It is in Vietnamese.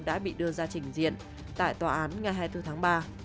đã bị đưa ra trình diện tại tòa án ngày hai mươi bốn tháng ba